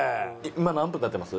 今何分経ってます？